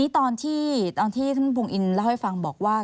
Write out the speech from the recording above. ตอนที่ท่านพุงอินเล่าให้ฟังบอกว่า